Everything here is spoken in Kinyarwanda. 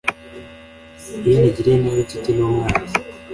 iyo nagiriye nabi inshuti n'umwanzi